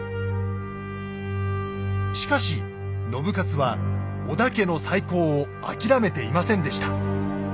しかし信雄は織田家の再興を諦めていませんでした。